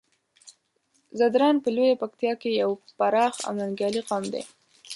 ځدراڼ په لويه پکتيا کې يو پراخ او ننګيالی قوم دی.